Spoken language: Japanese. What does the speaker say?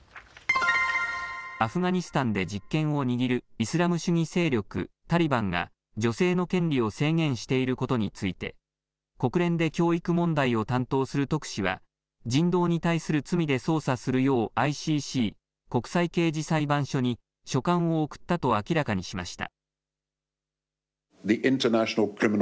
アフガニスタンで実権を握るイスラム主義勢力タリバンが、女性の権利を制限していることについて、国連で教育問題を担当する特使は、人道に対する罪で捜査するようＩＣＣ・国際刑事裁判所に書簡を送ったと明らかにしました。